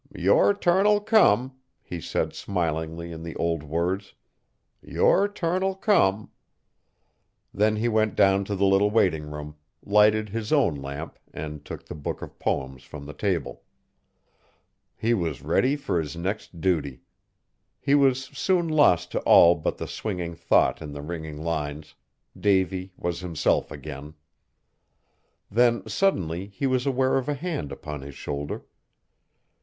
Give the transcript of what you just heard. "Your turn'll come," he said smilingly in the old words, "your turn'll come." Then he went down to the little waiting room, lighted his own lamp, and took the book of poems from the table. He was ready for his next duty! He was soon lost to all but the swinging thought in the ringing lines. Davy was himself again! Then, suddenly, he was aware of a hand upon his shoulder.